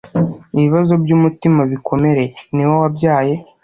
ibibazo byumutima bikomereye - niwe wabyaye